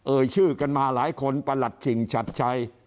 เอ่ยชื่อกันมาหลายคนประหลัดฉิ่งชัดชัย